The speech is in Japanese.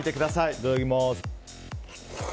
いただきます！